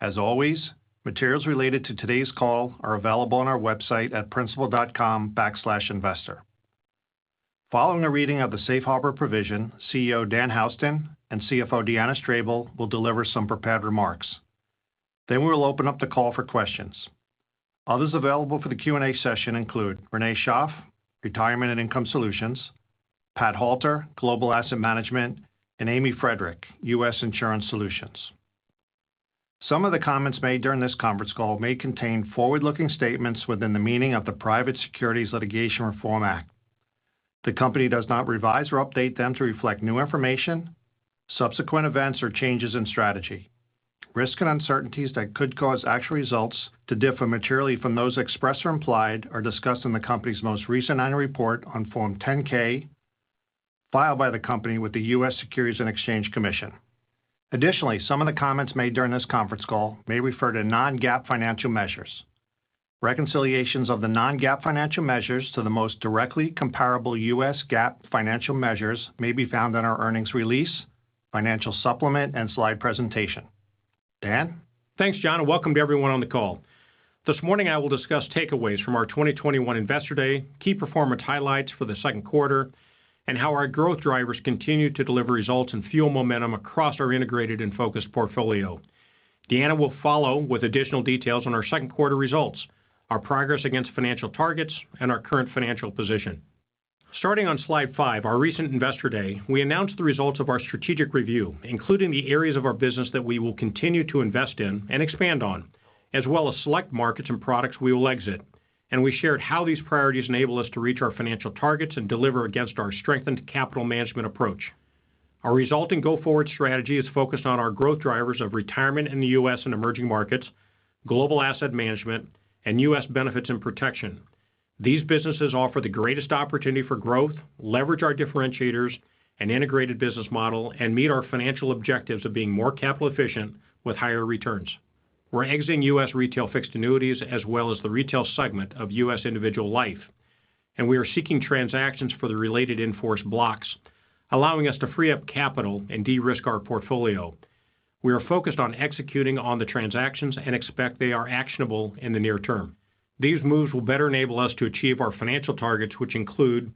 As always, materials related to today's call are available on our website at principal.com/investor. Following the reading of the Safe Harbor provision, CEO Dan Houston and CFO Deanna Strable will deliver some prepared remarks. We will open up the call for questions. Others available for the Q&A session include Renee Schaaf, Retirement and Income Solutions, Pat Halter, Global Asset Management, and Amy Friedrich, U.S. Insurance Solutions. Some of the comments made during this conference call may contain forward-looking statements within the meaning of the Private Securities Litigation Reform Act. The company does not revise or update them to reflect new information, subsequent events, or changes in strategy. Risks and uncertainties that could cause actual results to differ materially from those expressed or implied are discussed in the company's most recent annual report on Form 10-K filed by the company with the U.S. Securities and Exchange Commission. Additionally, some of the comments made during this conference call may refer to non-GAAP financial measures. Reconciliations of the non-GAAP financial measures to the most directly comparable U.S. GAAP financial measures may be found on our earnings release, financial supplement, and slide presentation. Dan? Thanks, John, and welcome to everyone on the call. This morning, I will discuss takeaways from our 2021 Investor Day, key performance highlights for the second quarter, and how our growth drivers continue to deliver results and fuel momentum across our integrated and focused portfolio. Deanna will follow with additional details on our second quarter results, our progress against financial targets, and our current financial position. Starting on slide five, our recent Investor Day, we announced the results of our strategic review, including the areas of our business that we will continue to invest in and expand on, as well as select markets and products we will exit. We shared how these priorities enable us to reach our financial targets and deliver against our strengthened capital management approach. Our resulting go-forward strategy is focused on our growth drivers of retirement in the U.S. and emerging markets, global asset management, and U.S. Benefits and Protection. These businesses offer the greatest opportunity for growth, leverage our differentiators and integrated business model, and meet our financial objectives of being more capital efficient with higher returns. We're exiting U.S. retail fixed annuities as well as the retail segment of U.S. individual life, and we are seeking transactions for the related in-force blocks, allowing us to free up capital and de-risk our portfolio. We are focused on executing on the transactions and expect they are actionable in the near term. These moves will better enable us to achieve our financial targets, which include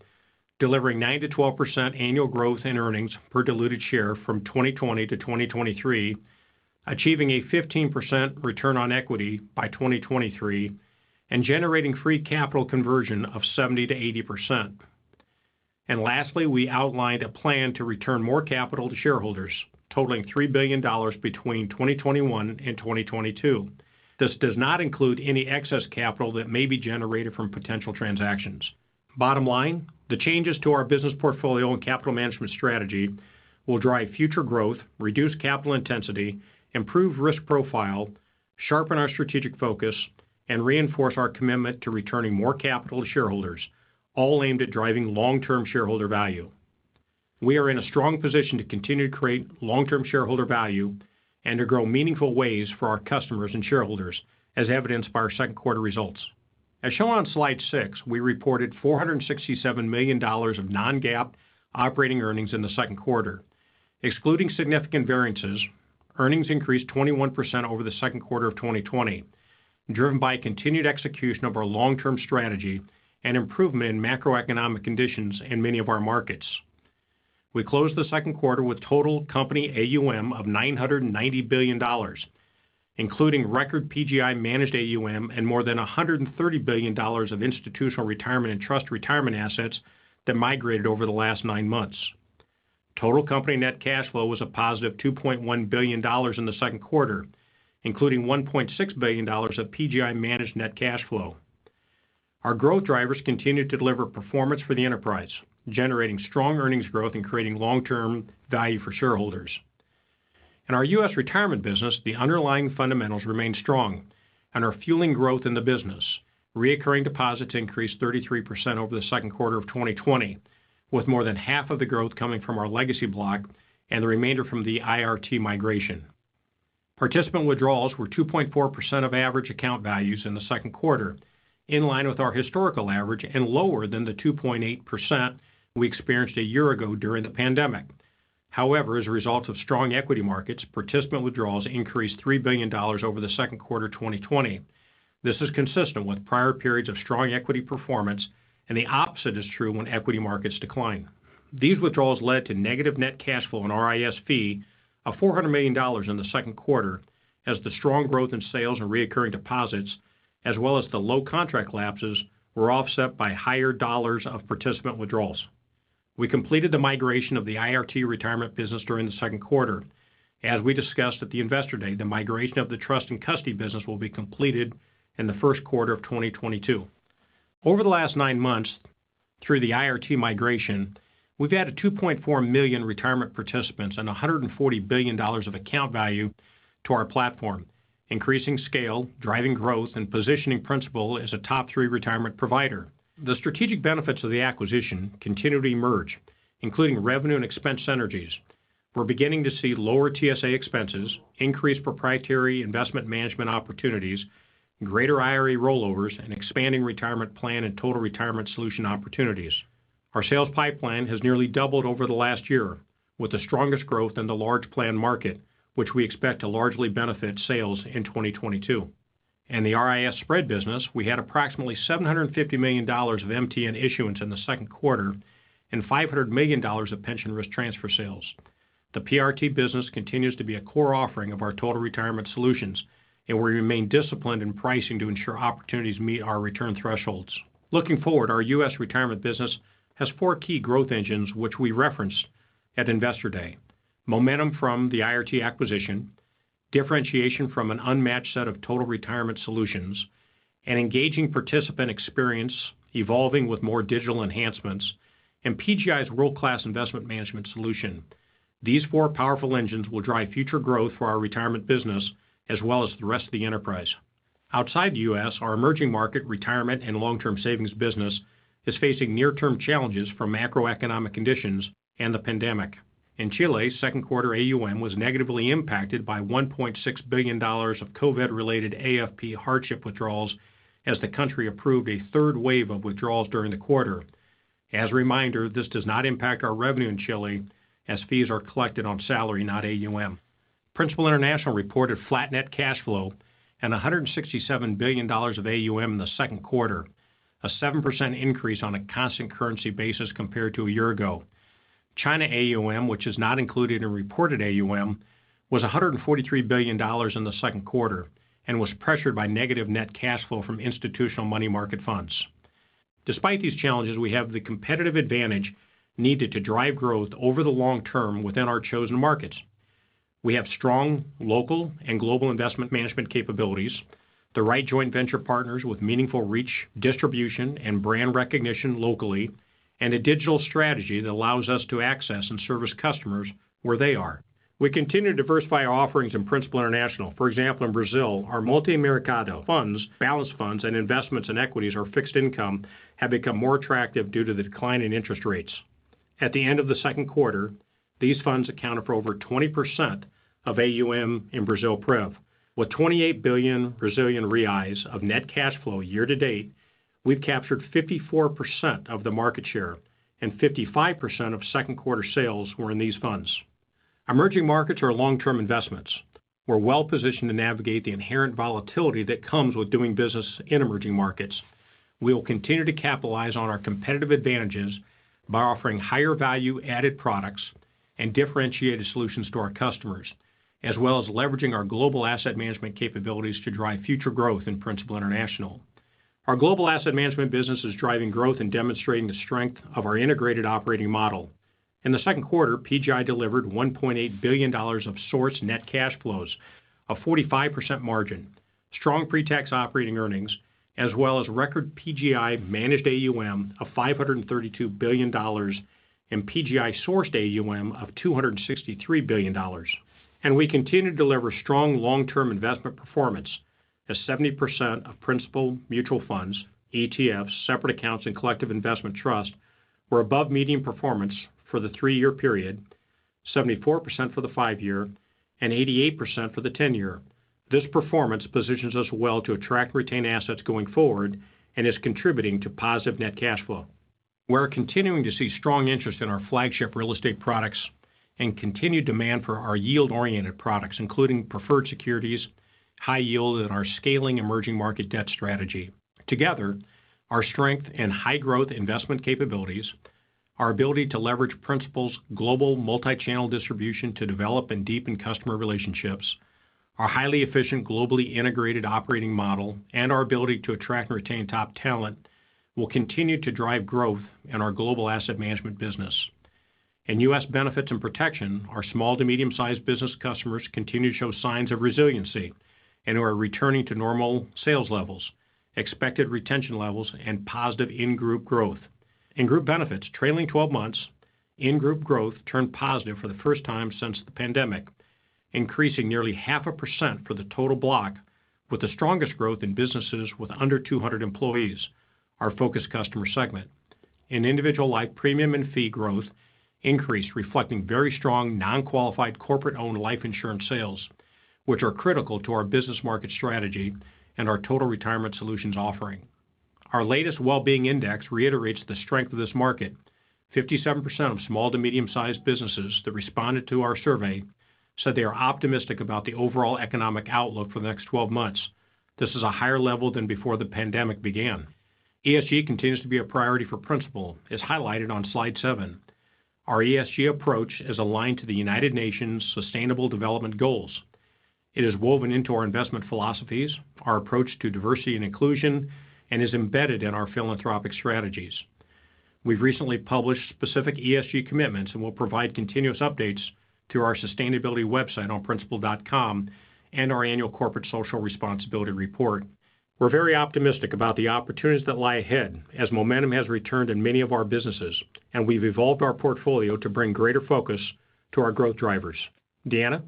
delivering 9%-12% annual growth in earnings per diluted share from 2020-2023, achieving a 15% return on equity by 2023, and generating free capital conversion of 70%-80%. Lastly, we outlined a plan to return more capital to shareholders, totaling $3 billion between 2021 and 2022. This does not include any excess capital that may be generated from potential transactions. Bottom line, the changes to our business portfolio and capital management strategy will drive future growth, reduce capital intensity, improve risk profile, sharpen our strategic focus, and reinforce our commitment to returning more capital to shareholders, all aimed at driving long-term shareholder value. We are in a strong position to continue to create long-term shareholder value and to grow meaningful ways for our customers and shareholders, as evidenced by our second quarter results. As shown on slide six, we reported $467 million of non-GAAP operating earnings in the second quarter. Excluding significant variances, earnings increased 21% over the second quarter of 2020, driven by continued execution of our long-term strategy and improvement in macroeconomic conditions in many of our markets. We closed the second quarter with total company AUM of $990 billion, including record PGI managed AUM and more than $130 billion of Institutional Retirement and Trust retirement assets that migrated over the last nine months. Total company net cash flow was a positive $2.1 billion in the second quarter, including $1.6 billion of PGI managed net cash flow. Our growth drivers continued to deliver performance for the enterprise, generating strong earnings growth and creating long-term value for shareholders. In our U.S. retirement business, the underlying fundamentals remain strong and are fueling growth in the business. Reoccurring deposits increased 33% over the second quarter of 2020, with more than half of the growth coming from our legacy block and the remainder from the IRT migration. Participant withdrawals were 2.4% of average account values in the second quarter, in line with our historical average and lower than the 2.8% we experienced a year ago during the pandemic. As a result of strong equity markets, participant withdrawals increased $3 billion over the second quarter 2020. This is consistent with prior periods of strong equity performance, and the opposite is true when equity markets decline. These withdrawals led to negative net cash flow in RIS-Fee of $400 million in the second quarter as the strong growth in sales and recurring deposits, as well as the low contract lapses, were offset by higher dollars of participant withdrawals. We completed the migration of the IRT retirement business during the second quarter. As we discussed at the Investor Day, the migration of the trust and custody business will be completed in the first quarter of 2022. Over the last nine months through the IRT migration, we've added 2.4 million retirement participants and $140 billion of account value to our platform, increasing scale, driving growth, and positioning Principal as a top three retirement provider. The strategic benefits of the acquisition continue to emerge, including revenue and expense synergies. We're beginning to see lower TSA expenses, increased proprietary investment management opportunities, greater IRA rollovers, and expanding retirement plan and Total Retirement Solutions opportunities. Our sales pipeline has nearly doubled over the last year, with the strongest growth in the large plan market, which we expect to largely benefit sales in 2022. In the RIS spread business, we had approximately $750 million of MTN issuance in the second quarter and $500 million of pension risk transfer sales. The PRT business continues to be a core offering of our Total Retirement Solutions, and we remain disciplined in pricing to ensure opportunities meet our return thresholds. Looking forward, our U.S. retirement business has four key growth engines which we referenced at Investor Day. Momentum from the IRT acquisition, differentiation from an unmatched set of Total Retirement Solutions, an engaging participant experience evolving with more digital enhancements, and PGI's world-class investment management solution. These four powerful engines will drive future growth for our retirement business as well as the rest of the enterprise. Outside the U.S., our emerging market retirement and long-term savings business is facing near-term challenges from macroeconomic conditions and the pandemic. In Chile, second quarter AUM was negatively impacted by $1.6 billion of COVID-related AFP hardship withdrawals as the country approved a third wave of withdrawals during the quarter. As a reminder, this does not impact our revenue in Chile, as fees are collected on salary not AUM. Principal International reported flat net cash flow and $167 billion of AUM in the second quarter, a 7% increase on a constant currency basis compared to a year ago. China AUM which is not included in reported AUM, was $143 billion in the second quarter and was pressured by negative net cash flow from institutional money market funds. Despite these challenges, we have the competitive advantage needed to drive growth over the long term within our chosen markets. We have strong local and global investment management capabilities, the right joint venture partners with meaningful reach, distribution, and brand recognition locally, and a digital strategy that allows us to access and service customers where they are. We continue to diversify our offerings in Principal International. For example, in Brazil, our Multimercado Fund's balanced funds and investments in equities or fixed income have become more attractive due to the decline in interest rates. At the end of the second quarter, these funds accounted for over 20% of AUM in Brasilprev. With 28 billion Brazilian reais of net cash flow year to date, we've captured 54% of the market share and 55% of second quarter sales were in these funds. Emerging markets are long-term investments. We're well-positioned to navigate the inherent volatility that comes with doing business in emerging markets. We will continue to capitalize on our competitive advantages by offering higher value added products and differentiated solutions to our customers, as well as leveraging our global asset management capabilities to drive future growth in Principal International. Our global asset management business is driving growth and demonstrating the strength of our integrated operating model. In the second quarter, PGI delivered $1.8 billion of source net cash flows, a 45% margin, strong pre-tax operating earnings, as well as record PGI managed AUM of $532 billion and PGI sourced AUM of $263 billion. We continue to deliver strong long-term investment performance as 70% of Principal mutual funds, ETFs, separate accounts and collective investment trust were above median performance for the three-year period, 74% for the five-year, and 88% for the 10-year. This performance positions us well to attract and retain assets going forward and is contributing to positive net cash flow. We're continuing to see strong interest in our flagship real estate products and continued demand for our yield-oriented products, including preferred securities, high yield, and our scaling emerging market debt strategy. Our strength and high growth investment capabilities, our ability to leverage Principal's Global Multi-Channel Distribution to develop and deepen customer relationships, our highly efficient, globally integrated operating model, and our ability to attract and retain top talent will continue to drive growth in our Global Asset Management business. In U.S. Benefits and Protection, our small-to-medium-sized business customers continue to show signs of resiliency and are returning to normal sales levels, expected retention levels, and positive in-group growth. In Group Benefits, trailing 12 months in-group growth turned positive for the first time since the pandemic, increasing nearly 0.5% for the total block with the strongest growth in businesses with under 200 employees, our focus customer segment. In individual life premium and fee growth increased, reflecting very strong non-qualified Corporate-Owned Life Insurance sales, which are critical to our business market strategy and our Total Retirement Solutions offering. Our latest well-being index reiterates the strength of this market. 57% of small to medium-sized businesses that responded to our survey said they are optimistic about the overall economic outlook for the next 12 months. This is a higher level than before the pandemic began. ESG continues to be a priority for Principal, as highlighted on slide seven. Our ESG approach is aligned to the United Nations Sustainable Development Goals. It is woven into our investment philosophies, our approach to diversity and inclusion, and is embedded in our philanthropic strategies. We've recently published specific ESG commitments and will provide continuous updates through our sustainability website on principal.com and our annual corporate social responsibility report. We're very optimistic about the opportunities that lie ahead as momentum has returned in many of our businesses, and we've evolved our portfolio to bring greater focus to our growth drivers. Deanna?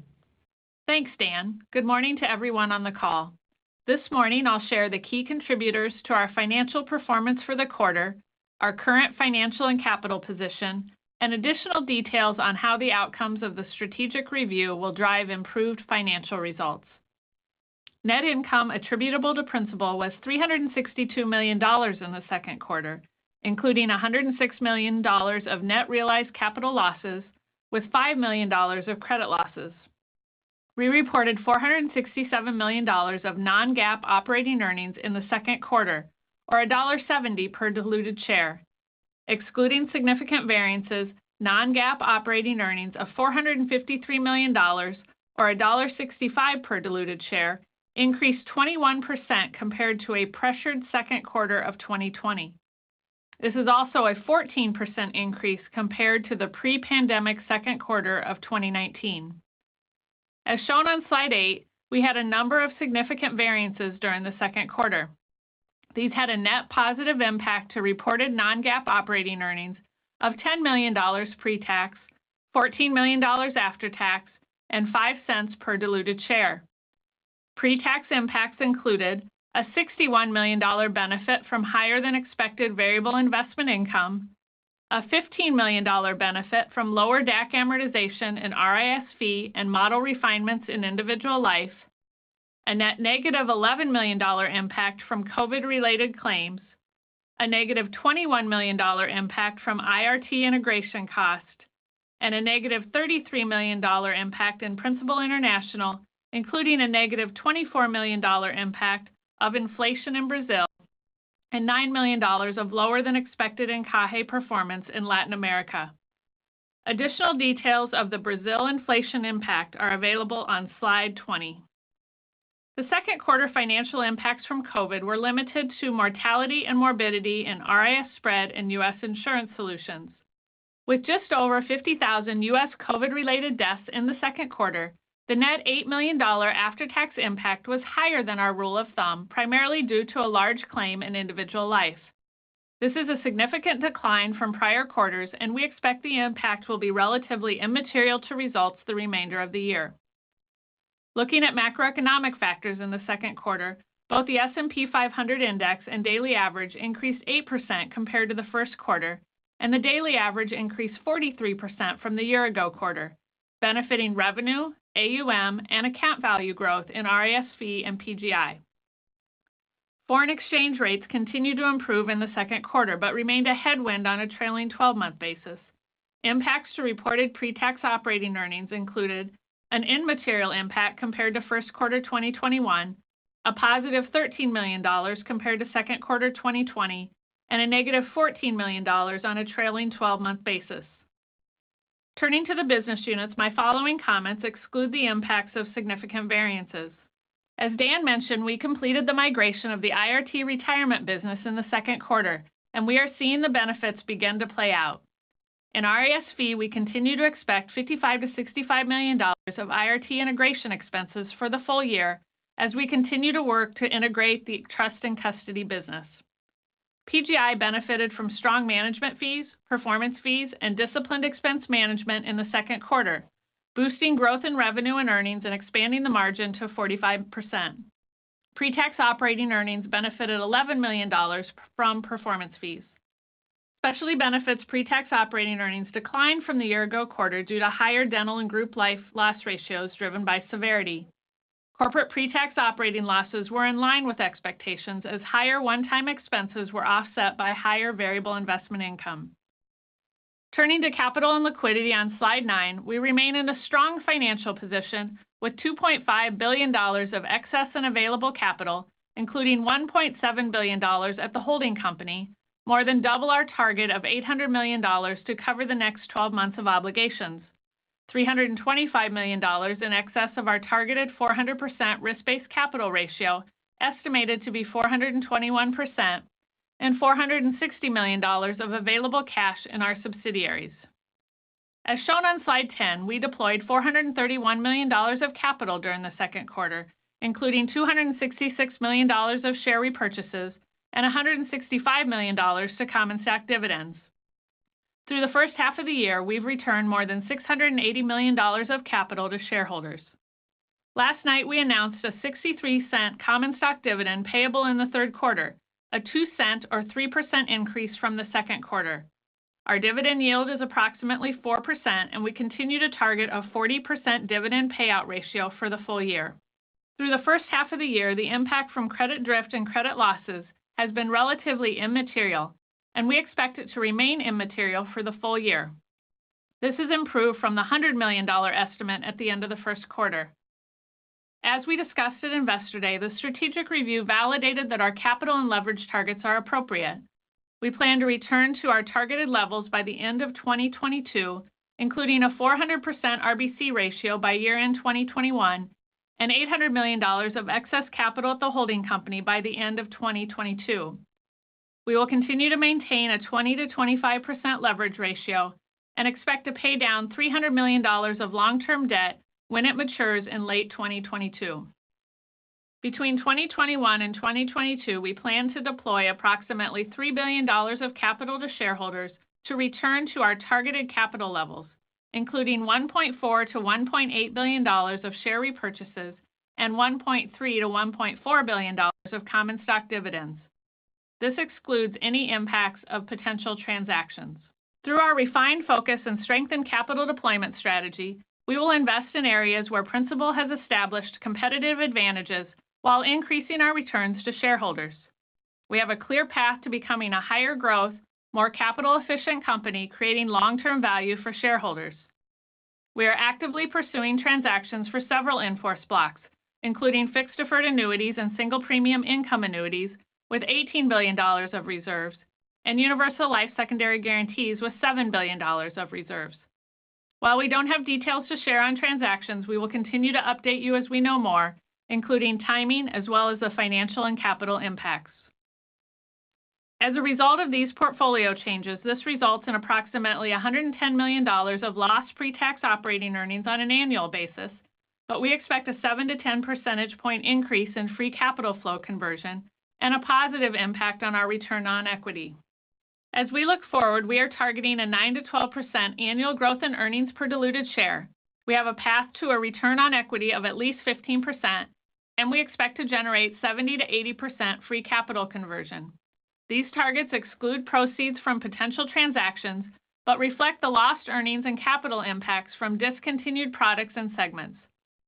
Thanks, Dan. Good morning to everyone on the call. This morning, I'll share the key contributors to our financial performance for the quarter, our current financial and capital position, and additional details on how the outcomes of the strategic review will drive improved financial results. Net income attributable to Principal was $362 million in the second quarter, including $106 million of net realized capital losses with $5 million of credit losses. We reported $467 million of non-GAAP operating earnings in the second quarter, or $1.70 per diluted share. Excluding significant variances, non-GAAP operating earnings of $453 million, or $1.65 per diluted share, increased 21% compared to a pressured second quarter of 2020. This is also a 14% increase compared to the pre-pandemic second quarter of 2019. As shown on slide eight, we had a number of significant variances during the second quarter. These had a net positive impact to reported non-GAAP operating earnings of $10 million pre-tax, $14 million after tax, and $0.05 per diluted share. Pre-tax impacts included a $61 million benefit from higher than expected variable investment income, a $15 million benefit from lower DAC amortization and RIS-Fee and model refinements in individual life, a net negative $11 million impact from COVID related claims, a negative $21 million impact from IRT integration costs, and a negative $33 million impact in Principal International, including a negative $24 million impact of inflation in Brazil and $9 million of lower than expected encaje performance in Latin America. Additional details of the Brazil inflation impact are available on slide 20. The second quarter financial impacts from COVID were limited to mortality and morbidity and RIS-Spread in U.S. Insurance solutions. With just over 50,000 U.S. COVID-related deaths in the second quarter, the net $8 million after-tax impact was higher than our rule of thumb, primarily due to a large claim in individual life. This is a significant decline from prior quarters, and we expect the impact will be relatively immaterial to results the remainder of the year. Looking at macroeconomic factors in the second quarter, both the S&P 500 Index and daily average increased 8% compared to the first quarter, and the daily average increased 43% from the year-ago quarter, benefiting revenue, AUM, and account value growth in RIS-Fee and PGI. Foreign exchange rates continued to improve in the second quarter, but remained a headwind on a trailing 12-month basis. Impacts to reported pre-tax operating earnings included an immaterial impact compared to first quarter 2021, a positive $13 million compared to second quarter 2020, and a negative $14 million on a trailing 12-month basis. Turning to the business units, my following comments exclude the impacts of significant variances. As Dan mentioned, we completed the migration of the IRT Retirement business in the second quarter, and we are seeing the benefits begin to play out. In RIS-Fee, we continue to expect $55 million to $65 million of IRT integration expenses for the full year as we continue to work to integrate the trust and custody business. PGI benefited from strong management fees, performance fees, and disciplined expense management in the second quarter, boosting growth in revenue and earnings and expanding the margin to 45%. Pre-tax operating earnings benefited $11 million from performance fees. Specialty benefits pre-tax operating earnings declined from the year ago quarter due to higher dental and group life loss ratios driven by severity. Corporate pre-tax operating losses were in line with expectations as higher one-time expenses were offset by higher variable investment income. Turning to capital and liquidity on slide nine, we remain in a strong financial position with $2.5 billion of excess and available capital, including $1.7 billion at the holding company, more than double our target of $800 million to cover the next 12 months of obligations, $325 million in excess of our targeted 400% risk-based capital ratio, estimated to be 421%, and $460 million of available cash in our subsidiaries. As shown on slide 10, we deployed $431 million of capital during the second quarter, including $266 million of share repurchases and $165 million to common stock dividends. Through the first half of the year, we've returned more than $680 million of capital to shareholders. Last night, we announced a $0.63 common stock dividend payable in the third quarter, a $0.02 or 3% increase from the second quarter. Our dividend yield is approximately 4%. We continue to target a 40% dividend payout ratio for the full year. Through the first half of the year, the impact from credit drift and credit losses has been relatively immaterial, and we expect it to remain immaterial for the full year. This has improved from the $100 million estimate at the end of the first quarter. As we discussed at Investor Day, the strategic review validated that our capital and leverage targets are appropriate. We plan to return to our targeted levels by the end of 2022, including a 400% RBC ratio by year-end 2021 and $800 million of excess capital at the holding company by the end of 2022. We will continue to maintain a 20%-25% leverage ratio and expect to pay down $300 million of long-term debt when it matures in late 2022. Between 2021 and 2022, we plan to deploy approximately $3 billion of capital to shareholders to return to our targeted capital levels, including $1.4 billion-$1.8 billion of share repurchases and $1.3 billion-$1.4 billion of common stock dividends. This excludes any impacts of potential transactions. Through our refined focus and strengthened capital deployment strategy, we will invest in areas where Principal has established competitive advantages while increasing our returns to shareholders. We have a clear path to becoming a higher growth, more capital-efficient company, creating long-term value for shareholders. We are actively pursuing transactions for several in-force blocks, including fixed deferred annuities and single premium income annuities with $18 billion of reserves, and Universal Life Secondary Guarantees with $7 billion of reserves. While we don't have details to share on transactions, we will continue to update you as we know more, including timing as well as the financial and capital impacts. As a result of these portfolio changes, this results in approximately $110 million of lost pre-tax operating earnings on an annual basis, but we expect a 7-10 percentage point increase in free capital flow conversion and a positive impact on our return on equity. As we look forward, we are targeting a 9%-12% annual growth in earnings per diluted share. We have a path to a return on equity of at least 15%, and we expect to generate 70%-80% free capital conversion. These targets exclude proceeds from potential transactions but reflect the lost earnings and capital impacts from discontinued products and segments.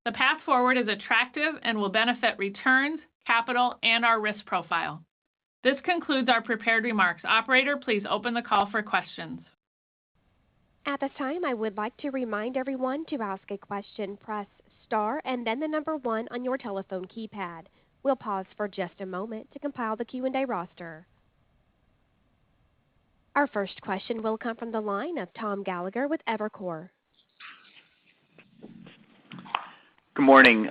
The path forward is attractive and will benefit returns, capital, and our risk profile. This concludes our prepared remarks. Operator, please open the call for questions. At this time, I would like to remind everyone, to ask a question, press star and then one on your telephone keypad. We'll pause for just a moment to compile the Q&A roster. Our first question will come from the line of Tom Gallagher with Evercore. Good morning.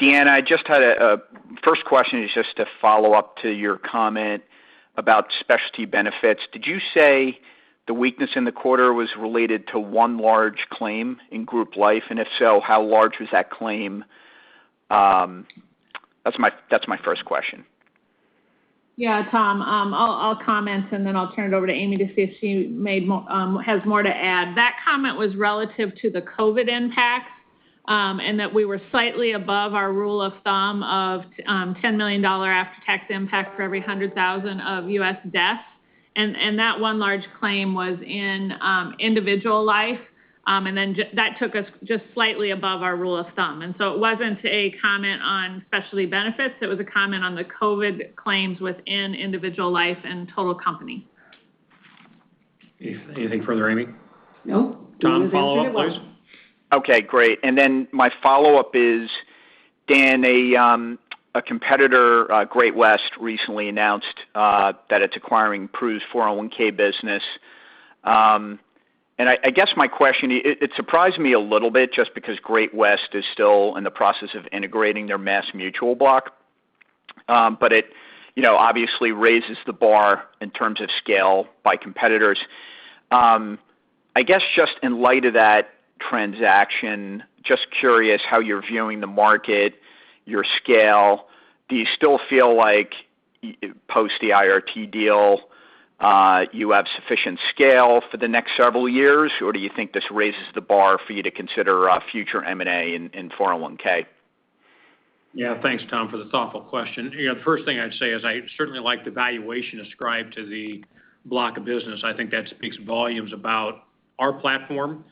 Deanna, first question is just to follow up to your comment about specialty benefits. Did you say the weakness in the quarter was related to one large claim in Group Life, and if so, how large was that claim? That's my first question. Yeah, Tom. I'll comment, and then I'll turn it over to Amy to see if she has more to add. That comment was relative to the COVID impact, and that we were slightly above our rule of thumb of $10 million after-tax impact for every hundred thousands of U.S. deaths. That one large claim was in individual life. That took us just slightly above our rule of thumb. It wasn't a comment on specialty benefits. It was a comment on the COVID claims within individual life and total company. Anything further, Amy? No. Tom, follow-up, please. Okay, great. My follow-up is, Dan, a competitor, Great-West, recently announced that it's acquiring Prudential 401(k) business. I guess my question, it surprised me a little bit just because Great-West is still in the process of integrating their MassMutual block. It obviously raises the bar in terms of scale by competitors. I guess just in light of that transaction, just curious how you're viewing the market, your scale. Do you still feel like post the IRT deal you have sufficient scale for the next several years? Do you think this raises the bar for you to consider future M&A in 401(k)? Yeah. Thanks, Tom, for the thoughtful question. The first thing I'd say is I certainly like the valuation ascribed to the block of business. I think that speaks volumes about our platform,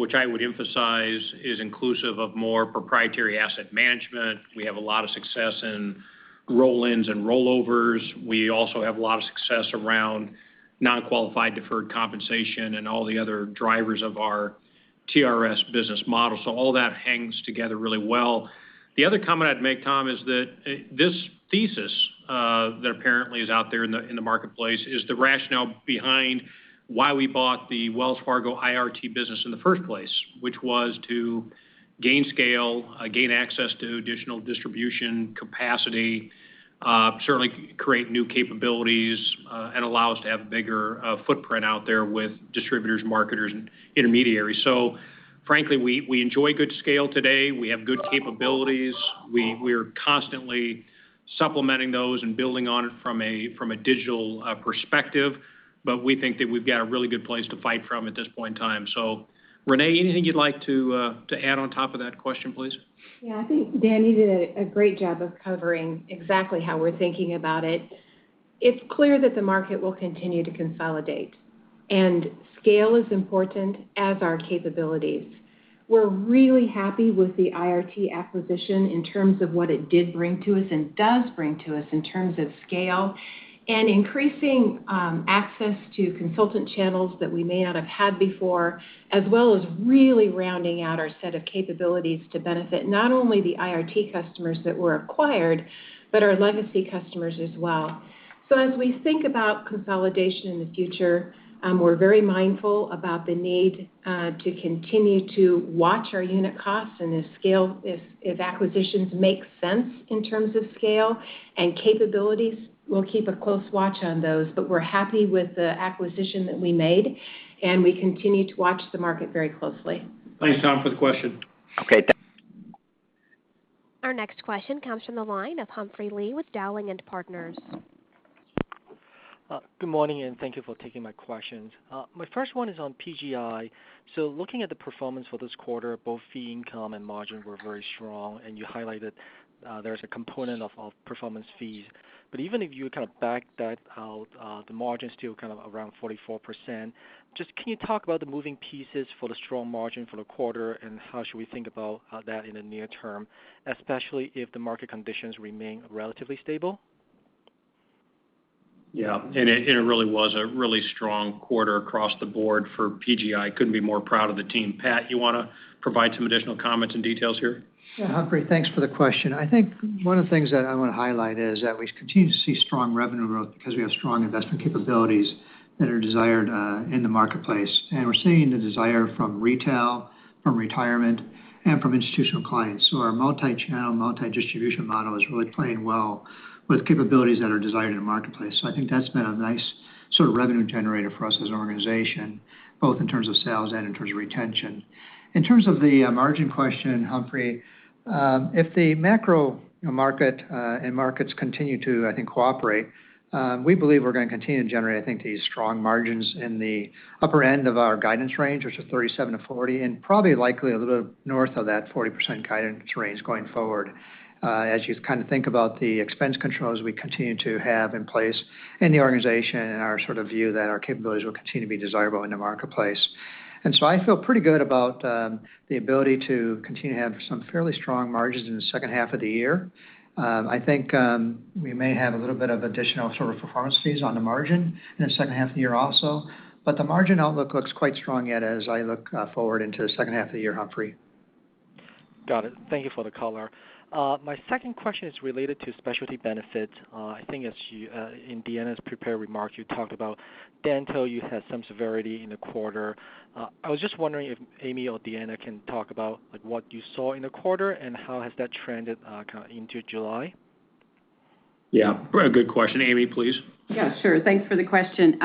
which I would emphasize is inclusive of more proprietary asset management. We have a lot of success in roll-ins and rollovers. We also have a lot of success around non-qualified deferred compensation and all the other drivers of our TRS business model. All that hangs together really well. The other comment I'd make, Tom, is that this thesis that apparently is out there in the marketplace is the rationale behind why we bought the Wells Fargo IRT business in the first place, which was to gain scale, gain access to additional distribution capacity, certainly create new capabilities, and allow us to have a bigger footprint out there with distributors, marketers, and intermediaries. Frankly, we enjoy good scale today. We have good capabilities. We are constantly supplementing those and building on it from a digital perspective but we think that we've got a really good place to fight from at this point in time. Renee, anything you'd like to add on top of that question, please? Yeah. I think Dan, you did a great job of covering exactly how we're thinking about it. It's clear that the market will continue to consolidate and scale is important as are capabilities. We're really happy with the IRT acquisition in terms of what it did bring to us and does bring to us in terms of scale and increasing access to consultant channels that we may not have had before, as well as really rounding out our set of capabilities to benefit not only the IRT customers that were acquired, but our legacy customers as well. As we think about consolidation in the future, we're very mindful about the need to continue to watch our unit costs and if acquisitions make sense in terms of scale and capabilities. We'll keep a close watch on those but we're happy with the acquisition that we made, and we continue to watch the market very closely. Thanks, Tom, for the question. Okay, thanks. Our next question comes from the line of Humphrey Lee with Dowling & Partners. Good morning, and thank you for taking my questions. My first one is on PGI. Looking at the performance for this quarter, both fee income and margin were very strong, and you highlighted there's a component of performance fees. Even if you kind of back that out, the margin's still kind of around 44%. Just can you talk about the moving pieces for the strong margin for the quarter, and how should we think about that in the near term, especially if the market conditions remain relatively stable? Yeah. It really was a really strong quarter across the board for PGI. Couldn't be more proud of the team. Pat, you want to provide some additional comments and details here? Yeah, Humphrey, thanks for the question. I think one of the things that I want to highlight is that we continue to see strong revenue growth because we have strong investment capabilities that are desired in the marketplace. We're seeing the desire from retail, from retirement, and from institutional clients. Our multi-channel, multi-distribution model is really playing well with capabilities that are desired in the marketplace. I think that's been a nice sort of revenue generator for us as an organization, both in terms of sales and in terms of retention. In terms of the margin question, Humphrey, if the macro market and markets continue to, I think, cooperate, we believe we're going to continue to generate, I think, these strong margins in the upper end of our guidance range, which is 37%-40%, and probably likely a little north of that 40% guidance range going forward. As you kind of think about the expense controls we continue to have in place in the organization and our sort of view that our capabilities will continue to be desirable in the marketplace. I feel pretty good about the ability to continue to have some fairly strong margins in the second half of the year. I think we may have a little bit of additional sort of performance fees on the margin in the second half of the year also, but the margin outlook looks quite strong yet as I look forward into the second half of the year, Humphrey. Got it. Thank you for the color. My second question is related to specialty benefits. I think it's in Deanna's prepared remarks, you talked about dental, you had some severity in the quarter. I was just wondering if Amy or Deanna can talk about what you saw in the quarter, and how has that trended kind of into July? Yeah. A very good question. Amy, please. Yeah, sure. Thanks for the question.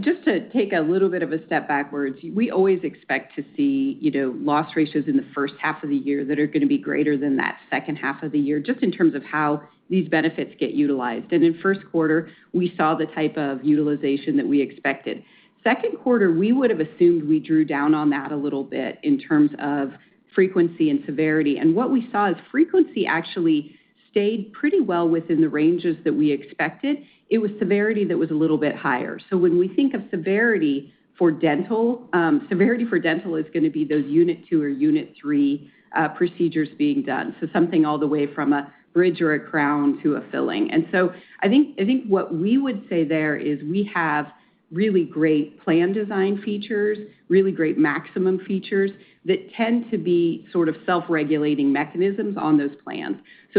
Just to take a little bit of a step backwards, we always expect to see loss ratios in the first half of the year that are going to be greater than that second half of the year, just in terms of how these benefits get utilized. In first quarter, we saw the type of utilization that we expected. Second quarter, we would've assumed we drew down on that a little bit in terms of frequency and severity. What we saw is frequency actually stayed pretty well within the ranges that we expected. It was severity that was a little bit higher. When we think of severity for dental, severity for dental is going to be those unit two or unit three procedures being done. Something all the way from a bridge or a crown to a filling. I think what we would say there is we have really great plan design features, really great maximum features that tend to be sort of self-regulating mechanisms on those plans.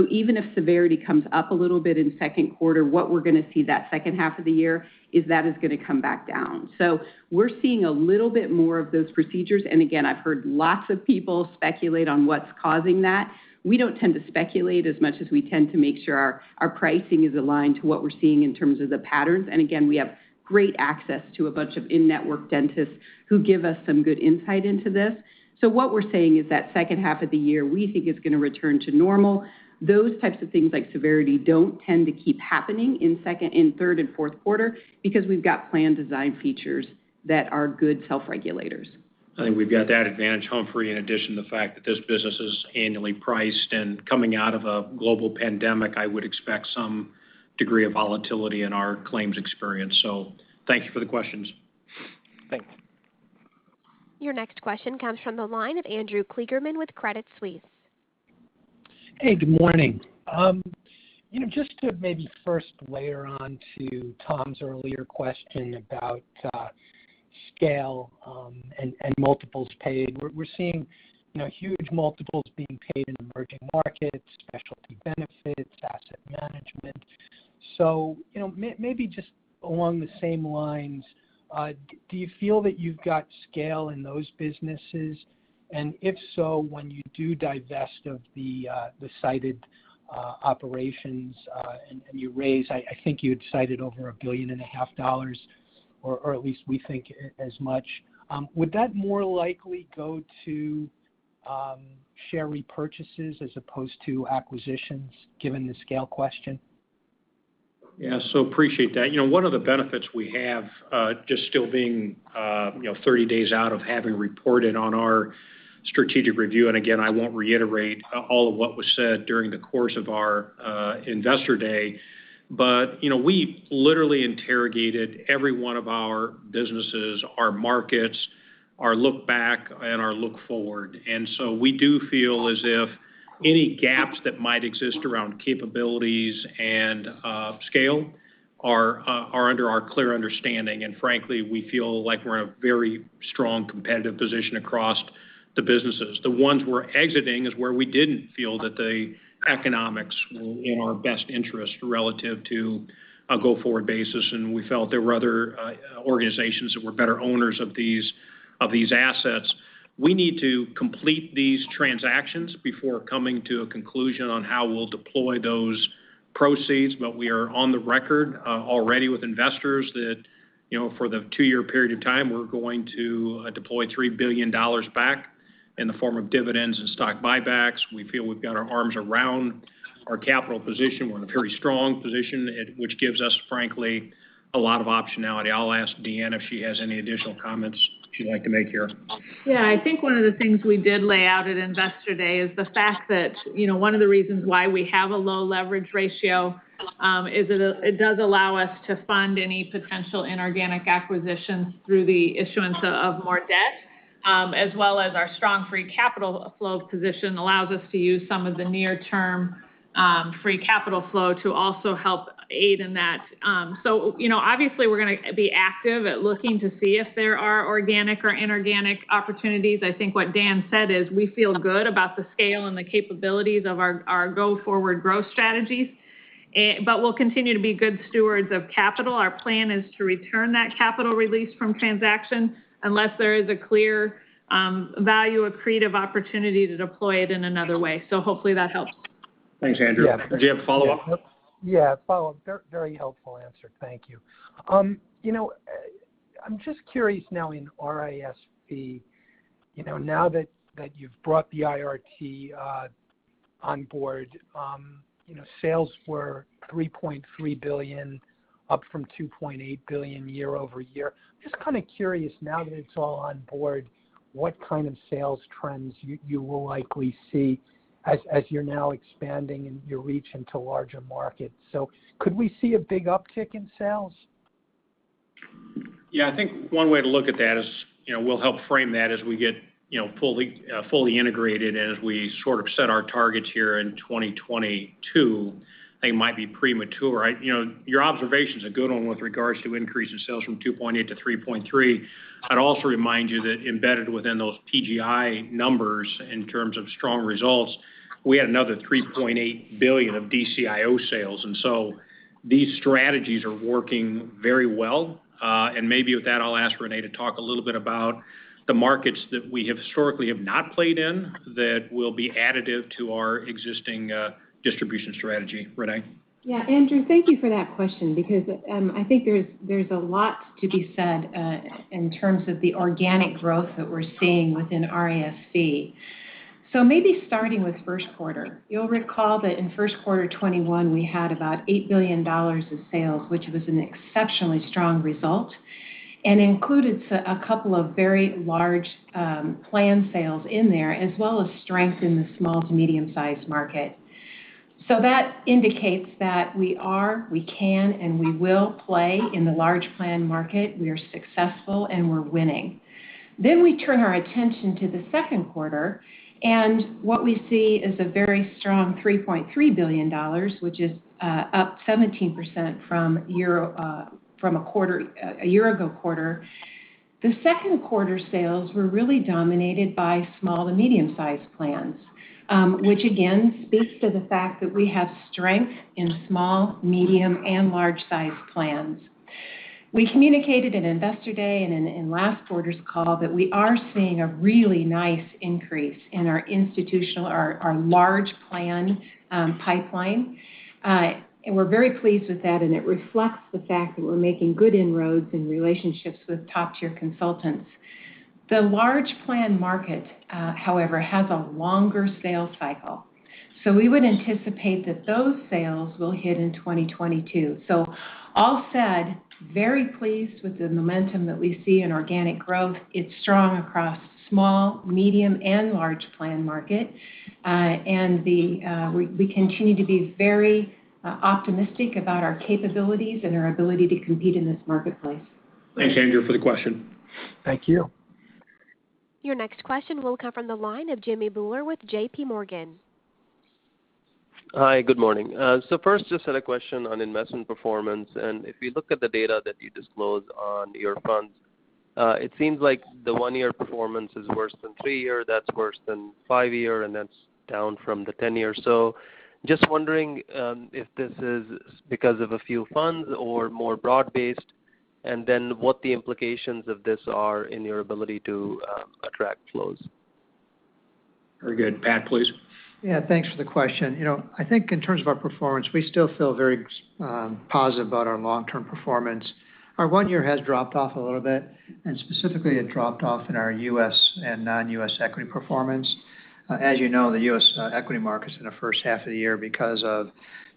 Even if severity comes up a little bit in second quarter, what we're going to see that second half of the year is that is going to come back down. We're seeing a little bit more of those procedures. Again, I've heard lots of people speculate on what's causing that. We don't tend to speculate as much as we tend to make sure our pricing is aligned to what we're seeing in terms of the patterns. Again, we have great access to a bunch of in-network dentists who give us some good insight into this. What we're saying is that second half of the year, we think is going to return to normal. Those types of things like severity don't tend to keep happening in third and fourth quarter because we've got plan design features that are good self-regulators. I think we've got that advantage, Humphrey, in addition to the fact that this business is annually priced and coming out of a global pandemic, I would expect some degree of volatility in our claims experience. Thank you for the questions. Thanks. Your next question comes from the line of Andrew Kligerman with Credit Suisse. Hey, good morning. Just to maybe first layer on to Tom's earlier question about scale and multiples paid. We're seeing huge multiples being paid in emerging markets, specialty benefits, asset management. Maybe just along the same lines, do you feel that you've got scale in those businesses? If so, when you do divest of the cited operations, and you raise, I think you had cited over a billion and a half dollars, or at least we think as much, would that more likely go to share repurchases as opposed to acquisitions, given the scale question? Yeah, appreciate that. One of the benefits we have, just still being 30 days out of having reported on our strategic review, and again, I won't reiterate all of what was said during the course of our Investor Day, but we literally interrogated every one of our businesses, our markets, our look back, and our look forward. We do feel as if any gaps that might exist around capabilities and scale are under our clear understanding. Frankly, we feel like we're in a very strong competitive position across the businesses. The ones we're exiting is where we didn't feel that the economics were in our best interest relative to a go-forward basis, and we felt there were other organizations that were better owners of these assets. We need to complete these transactions before coming to a conclusion on how we'll deploy those proceeds. We are on the record already with investors that for the two-year period of time, we're going to deploy $3 billion back in the form of dividends and stock buybacks. We feel we've got our arms around our capital position, we're in a very strong position, which gives us, frankly, a lot of optionality. I'll ask Deanna if she has any additional comments she'd like to make here. Yeah. I think one of the things we did lay out at Investor Day is the fact that one of the reasons why we have a low leverage ratio, is it does allow us to fund any potential inorganic acquisitions through the issuance of more debt, as well as our strong free capital flow position allows us to use some of the near-term free capital flow to also help aid in that. Obviously, we're going to be active at looking to see if there are organic or inorganic opportunities. I think what Dan said is we feel good about the scale and the capabilities of our go-forward growth strategies, but we'll continue to be good stewards of capital. Our plan is to return that capital release from transactions unless there is a clear value accretive opportunity to deploy it in another way. Hopefully that helps. Thanks, Andrew. Do you have a follow-up? Yeah, a follow-up. Very helpful answer. Thank you. I'm just curious now in RIS-Fee, now that you've brought the IRT on board. Sales were $3.3 billion, up from $2.8 billion year-over-year. Just kind of curious now that it's all on board, what kind of sales trends you will likely see as you're now expanding your reach into larger markets. Could we see a big uptick in sales? Yeah. I think one way to look at that is we'll help frame that as we get fully integrated and as we sort of set our targets here in 2022. They might be premature. Your observation's a good one with regards to increase in sales from 2.8-3.3. I'd also remind you that embedded within those PGI numbers, in terms of strong results, we had another $3.8 billion of DCIO sales. These strategies are working very well. Maybe with that, I'll ask Renee to talk a little bit about the markets that we have historically have not played in that will be additive to our existing distribution strategy. Renee? Andrew, thank you for that question because I think there's a lot to be said in terms of the organic growth that we're seeing within RIS-Fee. Maybe starting with first quarter. You'll recall that in first quarter 2021, we had about $8 billion in sales, which was an exceptionally strong result, and included a couple of very large plan sales in there, as well as strength in the small to medium-sized market. That indicates that we can and we will play in the large plan market. We are successful, and we're winning. We turn our attention to the second quarter, and what we see is a very strong $3.3 billion, which is up 17% from a year ago quarter. The second quarter sales were really dominated by small to medium-sized plans, which again, speaks to the fact that we have strength in small, medium, and large-sized plans. We communicated at Investor Day and in last quarter's call that we are seeing a really nice increase in our institutional, our large plan pipeline. We're very pleased with that, and it reflects the fact that we're making good inroads in relationships with top-tier consultants. The large plan market, however, has a longer sales cycle. We would anticipate that those sales will hit in 2022. All said, very pleased with the momentum that we see in organic growth. It's strong across small, medium, and large plan market. We continue to be very optimistic about our capabilities and our ability to compete in this marketplace. Thanks, Andrew, for the question. Thank you. Your next question will come from the line of Jimmy Bhullar with J.P. Morgan. Hi. Good morning. First, just had a question on investment performance. If you look at the data that you disclosed on your funds, it seems like the one-year performance is worse than three-year, that's worse than five-year, and that's down from the 10-year. Just wondering if this is because of a few funds or more broad-based, and then what the implications of this are in your ability to attract flows. Very good. Pat, please. Yeah. Thanks for the question. I think in terms of our performance, we still feel very positive about our long-term performance. Our one-year has dropped off a little bit. Specifically, it dropped off in our U.S. and non-U.S. equity performance. As you know, the U.S. equity markets in the first half of the year because of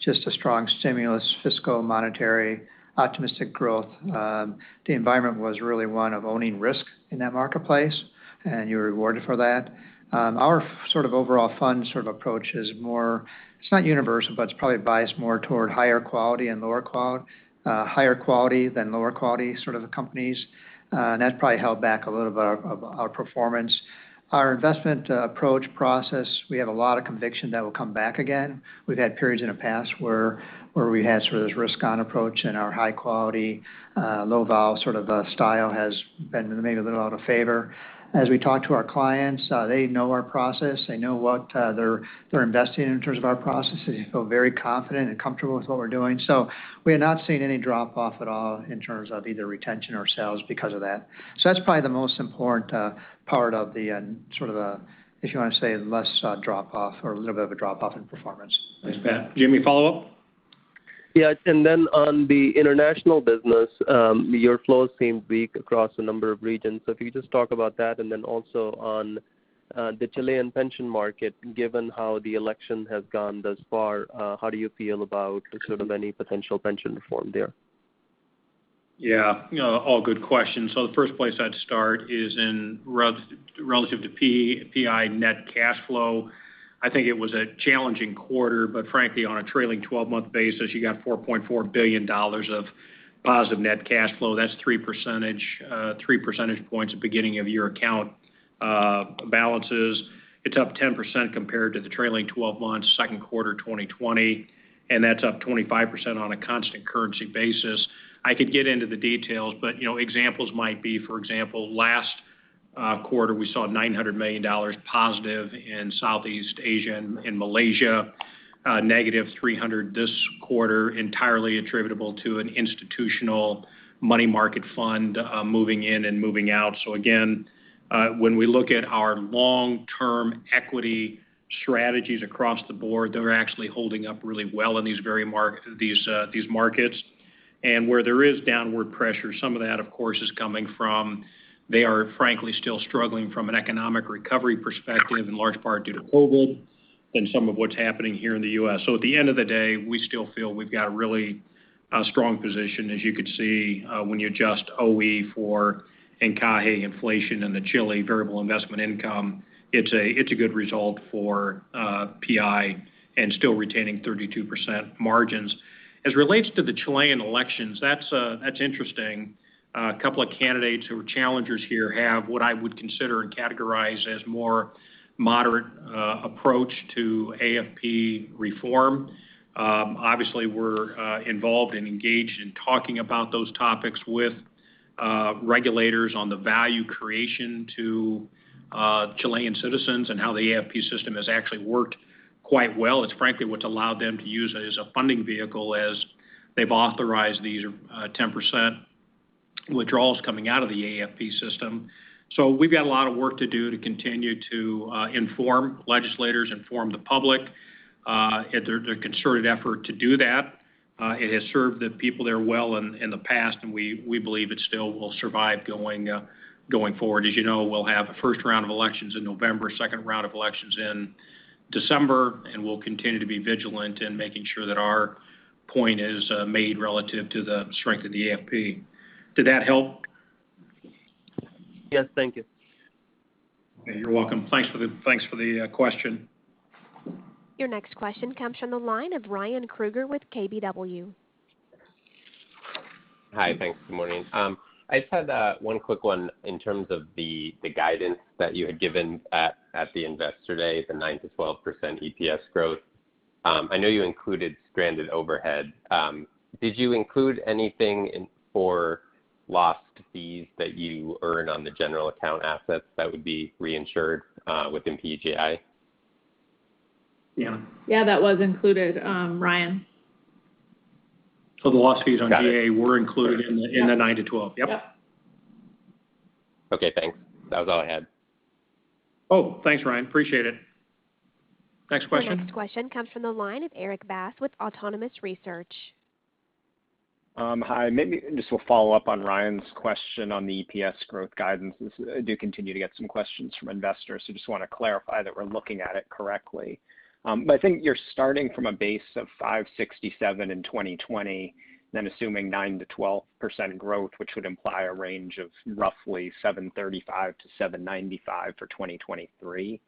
just a strong stimulus, fiscal, monetary, optimistic growth, the environment was really one of owning risk in that marketplace, and you're rewarded for that. Our sort of overall fund sort of approach is more, it's not universal, but it's probably biased more toward higher quality than lower quality sort of companies. That's probably held back a little of our performance. Our investment approach process, we have a lot of conviction that will come back again. We've had periods in the past where we had sort of this risk-on approach and our high quality, low vol sort of style has been maybe a little out of favor. As we talk to our clients, they know our process. They know what they're investing in terms of our processes. They feel very confident and comfortable with what we're doing. We have not seen any drop-off at all in terms of either retention or sales because of that. That's probably the most important part of the sort of the, if you want to say, less drop-off or a little bit of a drop-off in performance. Thanks, Pat. Jimmy, follow-up? Yeah. On the international business, your flows seem weak across a number of regions. If you could just talk about that, also on the Chilean pension market, given how the election has gone thus far, how do you feel about sort of any potential pension reform there? Yeah. All good questions. The first place I'd start is in relative to PGI net cash flow. I think it was a challenging quarter, but frankly, on a trailing 12-month basis, you got $4.4 billion of positive net cash flow. That's three percentage points at beginning of year account balances. It's up 10% compared to the trailing 12 months, second quarter 2020, and that's up 25% on a constant currency basis. I could get into the details, but examples might be, for example, last quarter, we saw $900 million positive in Southeast Asia and in Malaysia, negative $300 million this quarter, entirely attributable to an institutional money market fund moving in and moving out. Again, when we look at our long-term equity strategies across the board, they're actually holding up really well in these markets. Where there is downward pressure, some of that, of course, is coming from, they are frankly still struggling from an economic recovery perspective, in large part due to COVID and some of what's happening here in the U.S. At the end of the day, we still feel we've got a really strong position, as you could see when you adjust OE for encaje inflation and the Chile variable investment income. It's a good result for PI and still retaining 32% margins. As it relates to the Chilean elections, that's interesting. A couple of candidates who are challengers here have what I would consider and categorize as more moderate approach to AFP reform. Obviously, we're involved and engaged in talking about those topics with regulators on the value creation to Chilean citizens and how the AFP system has actually worked quite well. It's frankly what's allowed them to use it as a funding vehicle as they've authorized these 10% withdrawals coming out of the AFP system. We've got a lot of work to do to continue to inform legislators, inform the public. It's a concerted effort to do that. It has served the people there well in the past, and we believe it still will survive going forward. As you know, we'll have a first round of elections in November, second round of elections in December, and we'll continue to be vigilant in making sure that our point is made relative to the strength of the AFP. Did that help? Yes. Thank you. You're welcome. Thanks for the question. Your next question comes from the line of Ryan Krueger with KBW. Hi, thanks. Good morning. I just had one quick one in terms of the guidance that you had given at the Investor Day, the 9%-12% EPS growth. I know you included stranded overhead. Did you include anything in for lost fees that you earn on the general account assets that would be reinsured within PGI? Yeah. Yeah, that was included, Ryan. The lost fees on GA were included in the 9%-12%. Yep. Yeah. Okay, thanks. That was all I had. Oh, thanks, Ryan. Appreciate it. Next question. Your next question comes from the line of Erik Bass with Autonomous Research. Hi. Maybe just to follow up on Ryan's question on the EPS growth guidance, since I do continue to get some questions from investors, just want to clarify that we're looking at it correctly. I think you're starting from a base of $567 in 2020, then assuming 9%-12% growth, which would imply a range of roughly $735-$795 for 2023.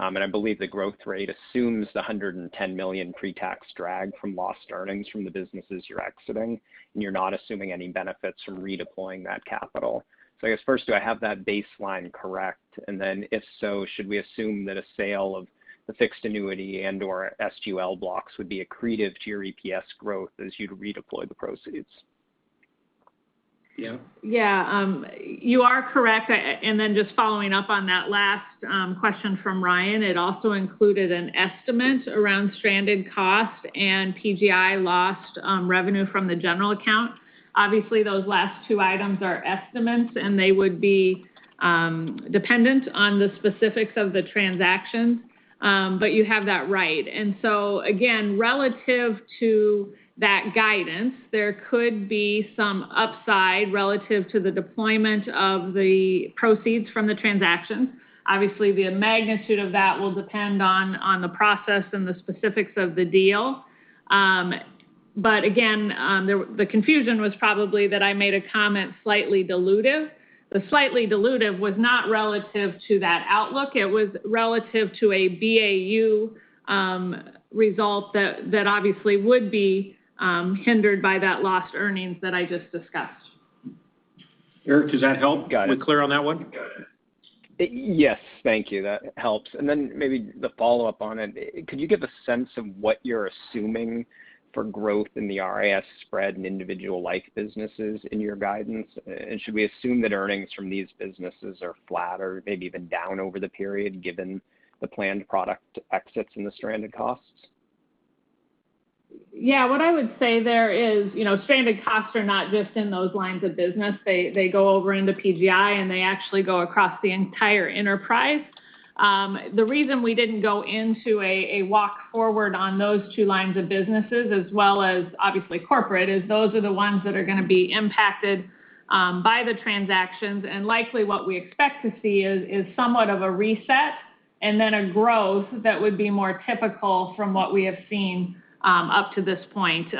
I believe the growth rate assumes the $110 million pre-tax drag from lost earnings from the businesses you're exiting, and you're not assuming any benefits from redeploying that capital. I guess first, do I have that baseline correct? If so, should we assume that a sale of the fixed annuity and/or SGUL blocks would be accretive to your EPS growth as you redeploy the proceeds? Yeah. Yeah. You are correct, just following up on that last question from Ryan, it also included an estimate around stranded costs and PGI lost revenue from the general account. Obviously, those last two items are estimates, they would be dependent on the specifics of the transaction. You have that right. Again, relative to that guidance, there could be some upside relative to the deployment of the proceeds from the transaction. Obviously, the magnitude of that will depend on the process and the specifics of the deal. Again, the confusion was probably that I made a comment slightly dilutive. The slightly dilutive was not relative to that outlook. It was relative to a BAU result that obviously would be hindered by that lost earnings that I just discussed. Erik, does that help? Got it. We're clear on that one? Yes. Thank you. That helps. Then maybe the follow-up on it, could you give a sense of what you're assuming for growth in the RIS spread and individual life businesses in your guidance? Should we assume that earnings from these businesses are flat or maybe even down over the period, given the planned product exits and the stranded costs? Yeah, what I would say there is stranded costs are not just in those lines of business. They go over into PGI, and they actually go across the entire enterprise. The reason we didn't go into a walk forward on those two lines of businesses, as well as obviously corporate, is those are the ones that are going to be impacted by the transactions. Likely what we expect to see is somewhat of a reset, and then a growth that would be more typical from what we have seen up to this point. Again,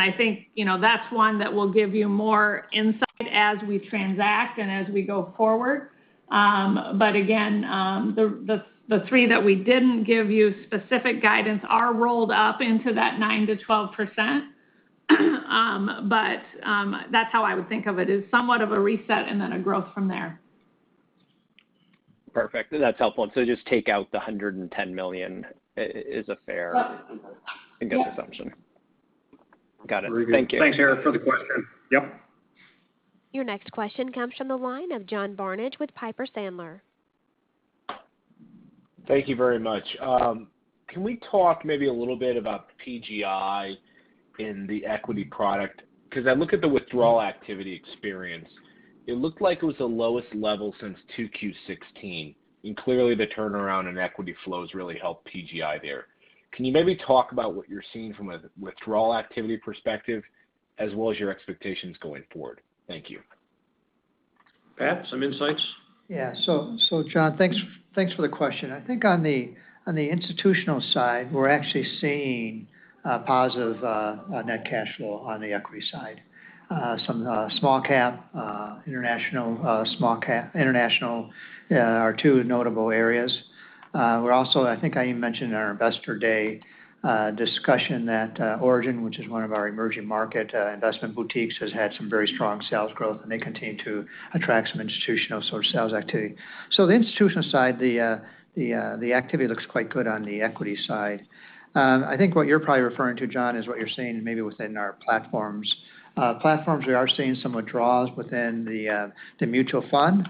I think that's one that we'll give you more insight as we transact and as we go forward. Again, the three that we didn't give you specific guidance are rolled up into that 9%-12%. That's how I would think of it, is somewhat of a reset and then a growth from there. Perfect. That's helpful. Just take out the $110 million is a fair. Yes I guess, assumption. Got it. Thank you. Very good. Thanks, Erik, for the question. Yep. Your next question comes from the line of John Barnidge with Piper Sandler. Thank you very much. Can we talk maybe a little bit about PGI in the equity product? I look at the withdrawal activity experience, it looked like it was the lowest level since 2Q 2016. Clearly the turnaround in equity flows really helped PGI there. Can you maybe talk about what you're seeing from a withdrawal activity perspective, as well as your expectations going forward? Thank you. Pat, some insights? Yeah. John, thanks for the question. I think on the institutional side, we're actually seeing a positive net cash flow on the equity side. Some small cap, international small cap, international are two notable areas. We're also, I think I even mentioned in our Investor Day discussion that Origin, which is one of our emerging market investment boutiques, has had some very strong sales growth, and they continue to attract some institutional sort of sales activity. The institutional side, the activity looks quite good on the equity side. I think what you're probably referring to, John, is what you're seeing maybe within our platforms. Platforms, we are seeing some withdrawals within the mutual fund.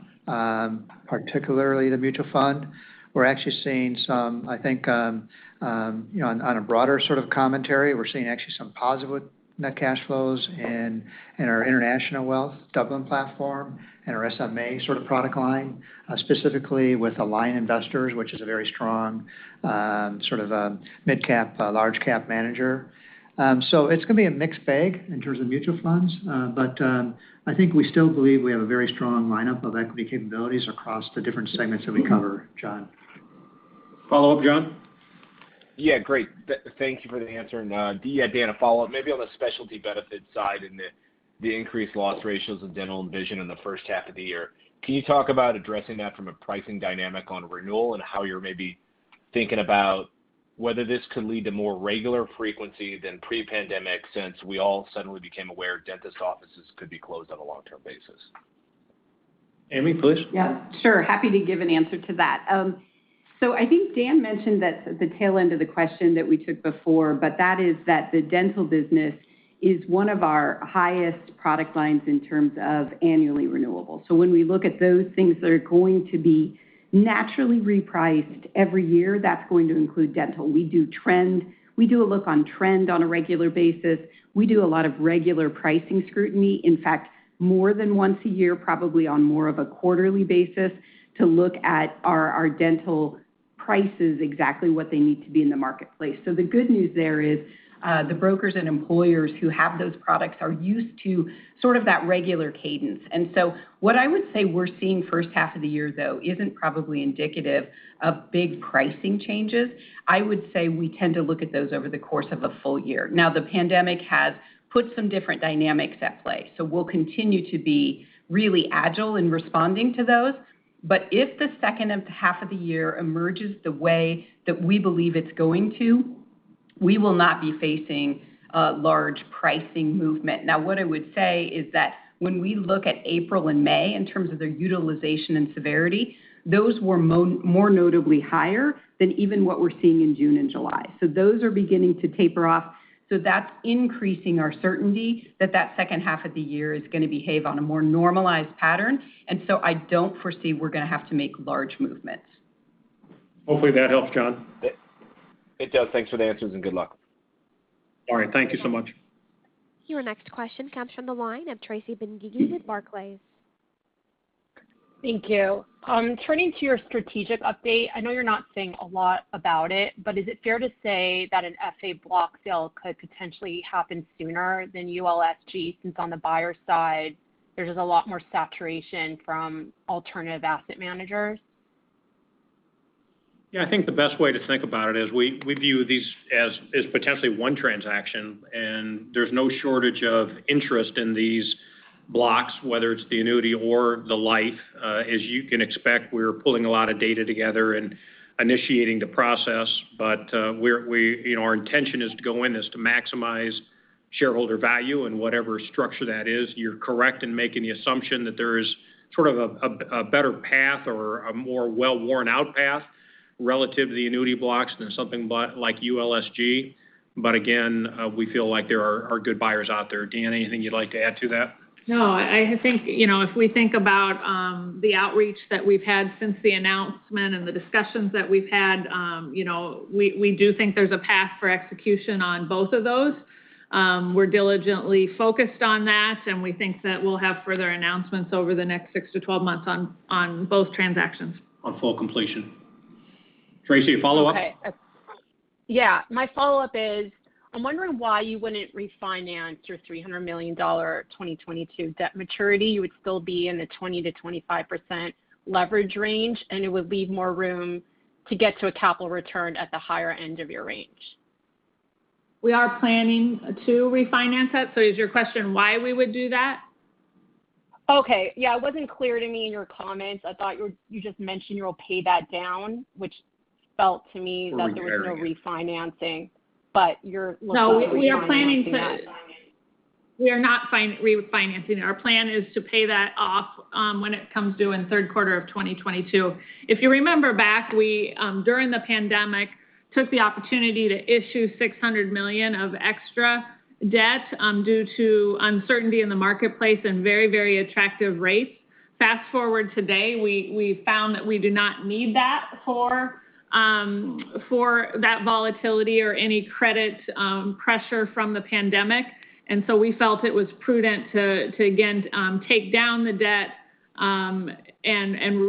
Particularly the mutual fund. We're actually seeing some, I think on a broader sort of commentary, we're seeing actually some positive net cash flows in our international wealth, Dublin platform, and our SMA sort of product line, specifically with Aligned Investors, which is a very strong mid-cap, large-cap manager. It's going to be a mixed bag in terms of mutual funds. I think we still believe we have a very strong lineup of equity capabilities across the different segments that we cover, John. Follow-up, John? Yeah, great. Thank you for the answer. Dan, a follow-up maybe on the specialty benefits side and the increased loss ratios of dental and vision in the 1st half of the year. Can you talk about addressing that from a pricing dynamic on renewal and how you're maybe thinking about whether this could lead to more regular frequency than pre-pandemic, since we all suddenly became aware dentist offices could be closed on a long-term basis? Amy, please. Yeah, sure. Happy to give an answer to that. I think Dan mentioned that the tail end of the question that we took before, but that is that the dental business is one of our highest product lines in terms of annually renewable. When we look at those things that are going to be naturally repriced every year, that's going to include dental. We do a look on trend on a regular basis. We do a lot of regular pricing scrutiny, in fact, more than once a year, probably on more of a quarterly basis, to look at our dental prices, exactly what they need to be in the marketplace. The good news there is the brokers and employers who have those products are used to sort of that regular cadence. What I would say we're seeing first half of the year, though, isn't probably indicative of big pricing changes. I would say we tend to look at those over the course of a full year. The pandemic has put some different dynamics at play, so we'll continue to be really agile in responding to those. If the second half of the year emerges the way that we believe it's going to, we will not be facing a large pricing movement. What I would say is that when we look at April and May in terms of their utilization and severity, those were more notably higher than even what we're seeing in June and July. Those are beginning to taper off. That's increasing our certainty that that second half of the year is going to behave on a more normalized pattern. I don't foresee we're going to have to make large movements. Hopefully that helps, John. It does. Thanks for the answers and good luck. All right. Thank you so much. Your next question comes from the line of Tracy Benguigui with Barclays. Thank you. Turning to your strategic update, I know you're not saying a lot about it. Is it fair to say that an FA block sale could potentially happen sooner than ULSG, since on the buyer side, there's a lot more saturation from alternative asset managers? Yeah, I think the best way to think about it is we view these as potentially one transaction, and there's no shortage of interest in these blocks, whether it's the annuity or the life. As you can expect, we're pulling a lot of data together and initiating the process. Our intention as to go in is to maximize shareholder value in whatever structure that is. You're correct in making the assumption that there is sort of a better path or a more well-worn-out path relative to the annuity blocks than something like ULSG. Again, we feel like there are good buyers out there. Deanna, anything you'd like to add to that? No. I think if we think about the outreach that we've had since the announcement and the discussions that we've had, we do think there's a path for execution on both of those. We're diligently focused on that, we think that we'll have further announcements over the next six-12 months on both transactions. On full completion. Tracy, follow up? Okay. Yeah, my follow-up is, I'm wondering why you wouldn't refinance your $300 million 2022 debt maturity. You would still be in the 20%-25% leverage range, and it would leave more room to get to a capital return at the higher end of your range. We are planning to refinance that. Is your question why we would do that? Okay. Yeah, it wasn't clear to me in your comments. I thought you just mentioned you'll pay that down. We're retiring it. like there was no refinancing, but you're looking at refinancing that. No, we are not refinancing. Our plan is to pay that off when it comes due in the third quarter of 2022. If you remember back, we, during the pandemic, took the opportunity to issue $600 million of extra debt due to uncertainty in the marketplace and very, very attractive rates. Fast-forward today, we've found that we do not need that for that volatility or any credit pressure from the pandemic. We felt it was prudent to, again, take down the debt, and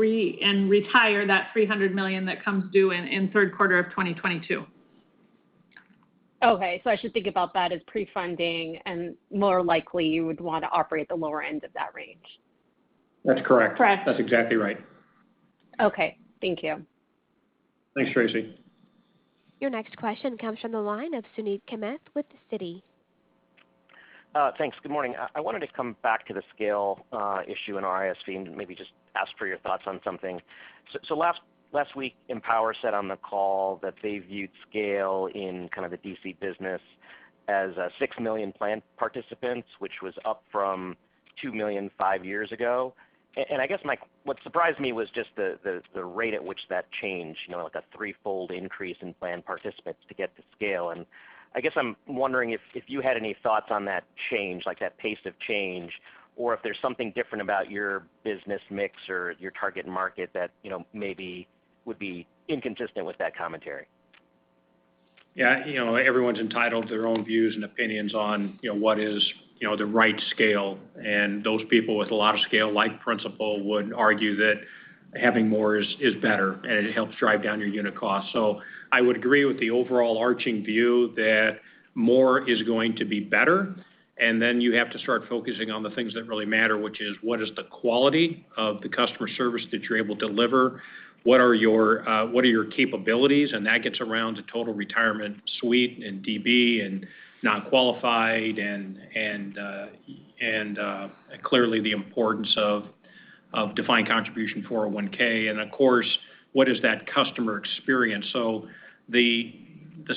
retire that $300 million that comes due in third quarter of 2022. Okay. I should think about that as pre-funding, and more likely you would want to operate the lower end of that range. That's correct. Correct. That's exactly right. Okay. Thank you. Thanks, Tracy. Your next question comes from the line of Suneet Kamath with Citi. Thanks. Good morning. I wanted to come back to the scale issue in RIS-Fee and maybe just ask for your thoughts on something. Last week, Empower said on the call that they viewed scale in kind of the DC business as six million plan participants, which was up from two million, five years ago. I guess what surprised me was just the rate at which that changed, like a threefold increase in plan participants to get to scale. I guess I'm wondering if you had any thoughts on that change, like that pace of change, or if there's something different about your business mix or your target market that maybe would be inconsistent with that commentary. Yeah. Everyone's entitled to their own views and opinions on what is the right scale, and those people with a lot of scale, like Principal, would argue that having more is better, and it helps drive down your unit cost. I would agree with the overarching view that more is going to be better, and then you have to start focusing on the things that really matter, which is, what is the quality of the customer service that you're able to deliver? What are your capabilities? That gets around to Total Retirement Solutions and DB and non-qualified and clearly the importance of defined contribution 401(k), and of course, what is that customer experience? The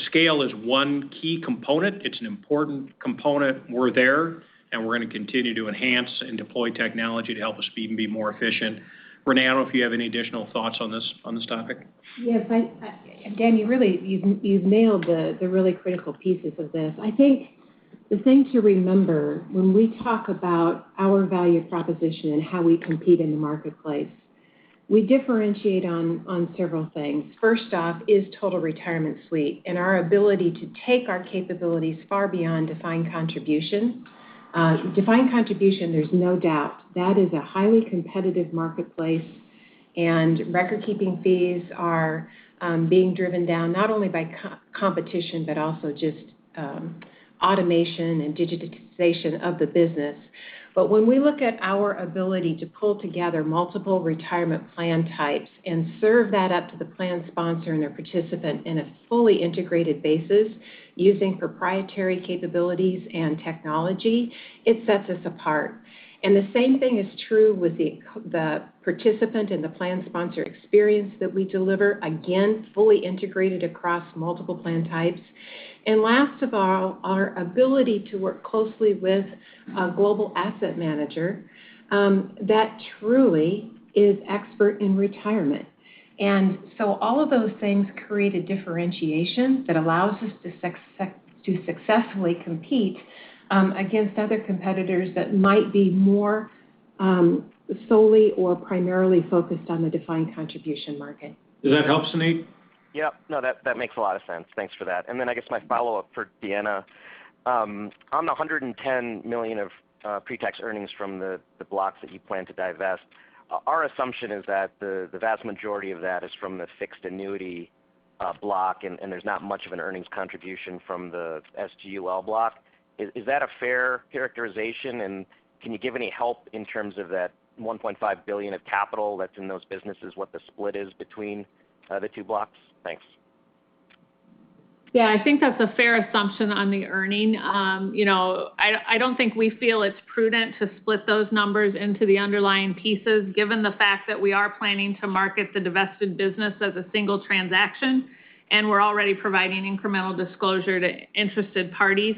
scale is one key component. It's an important component. We're there, and we're going to continue to enhance and deploy technology to help us be even more efficient. Renee, I don't know if you have any additional thoughts on this topic. Yes. Dan, you've nailed the really critical pieces of this. I think the thing to remember when we talk about our value proposition and how we compete in the marketplace, we differentiate on several things. First off is Total Retirement Solutions and our ability to take our capabilities far beyond defined contribution. Defined contribution, there's no doubt, that is a highly competitive marketplace, and record-keeping fees are being driven down not only by competition but also just automation and digitization of the business. When we look at our ability to pull together multiple retirement plan types and serve that up to the plan sponsor and their participant in a fully integrated basis using proprietary capabilities and technology, it sets us apart. The same thing is true with the participant and the plan sponsor experience that we deliver, again, fully integrated across multiple plan types. Last of all, our ability to work closely with a global asset manager that truly is expert in retirement. All of those things create a differentiation that allows us to successfully compete against other competitors that might be more solely or primarily focused on the defined contribution market. Does that help, Suneet? Yep. No, that makes a lot of sense. Thanks for that. Then I guess my follow-up for Deanna. On the $110 million of pre-tax earnings from the blocks that you plan to divest, our assumption is that the vast majority of that is from the fixed annuity block, and there's not much of an earnings contribution from the SGUL block. Is that a fair characterization, and can you give any help in terms of that $1.5 billion of capital that's in those businesses, what the split is between the two blocks? Thanks. Yeah, I think that's a fair assumption on the earnings. I don't think we feel it's prudent to split those numbers into the underlying pieces given the fact that we are planning to market the divested business as a single transaction, and we're already providing incremental disclosure to interested parties.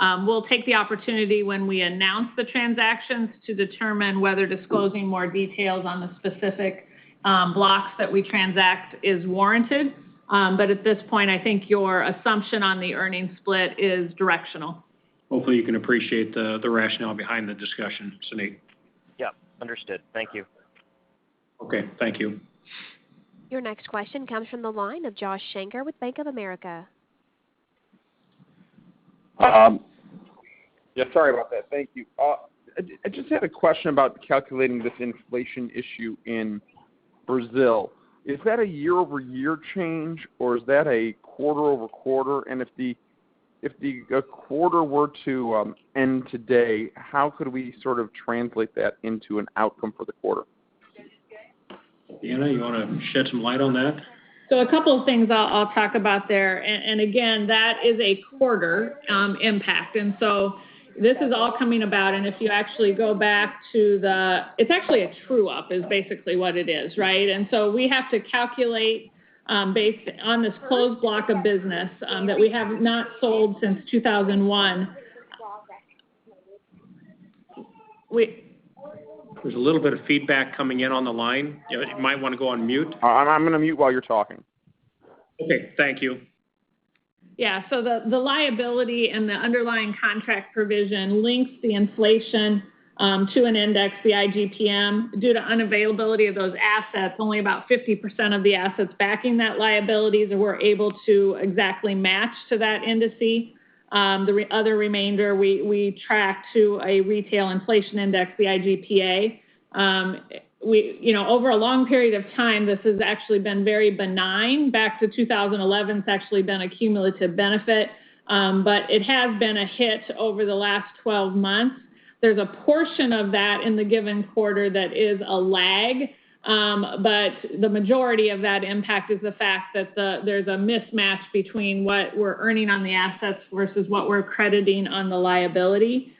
We'll take the opportunity when we announce the transactions to determine whether disclosing more details on the specific blocks that we transact is warranted. At this point, I think your assumption on the earnings split is directional. Hopefully, you can appreciate the rationale behind the discussion, Suneet. Yep. Understood. Thank you. Okay. Thank you. Your next question comes from the line of Josh Shanker with Bank of America. Yeah, sorry about that. Thank you. I just had a question about calculating this inflation issue in Brazil. Is that a year-over-year change, or is that a quarter-over-quarter? If the quarter were to end today, how could we sort of translate that into an outcome for the quarter? Deanna, you want to shed some light on that? A couple things I'll talk about there, again, that is a quarter impact. This is all coming about, it's actually a true-up, is basically what it is, right? We have to calculate based on this closed block of business that we have not sold since 2001. There's a little bit of feedback coming in on the line. You might want to go on mute. I'm going to mute while you're talking. Okay. Thank you. Yeah. The liability and the underlying contract provision links the inflation to an index, the IGP-M. Due to unavailability of those assets, only about 50% of the assets backing that liability that we're able to exactly match to that indices. The other remainder, we track to a retail inflation index, the IGPA. Over a long period of time, this has actually been very benign. Back to 2011, it's actually been a cumulative benefit, but it has been a hit over the last 12 months. There's a portion of that in the given quarter that is a lag, but the majority of that impact is the fact that there's a mismatch between what we're earning on the assets versus what we're crediting on the liability.